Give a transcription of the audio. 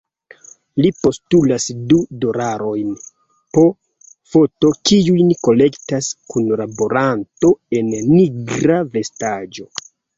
Li postulas du dolarojn po foto, kiujn kolektas kunlaboranto en nigra vestaĵo.